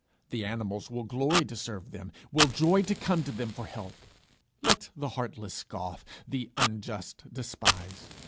The animals will glory to serve them, will joy to come to them for help. Let the heartless scoff, the unjust despise!